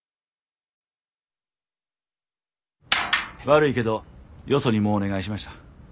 悪いけどよそにもうお願いしました。